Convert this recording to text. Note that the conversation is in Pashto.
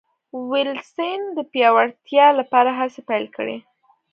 وېلسن د پیاوړتیا لپاره هڅې پیل کړې.